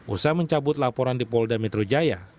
usai mencabut laporan di polda metro jaya